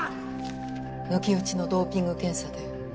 抜き打ちのドーピング検査で。